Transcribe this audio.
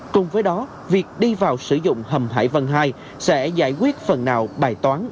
cùng với đó việc đi vào sử dụng hầm hải vân hai sẽ giải quyết phần nào bài toán